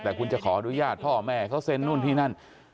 แต่คุณจะขออนุญาตพ่อแม่เขาเซ็นนู่นที่นั่น